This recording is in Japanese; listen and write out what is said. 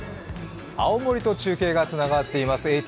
青森と中継がつながっています。